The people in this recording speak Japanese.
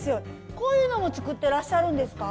こういうのも作ってらっしゃるんですか？